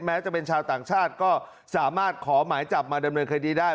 แม้จะเป็นชาวต่างชาติก็สามารถขอหมายจับมาดำเนินคดีได้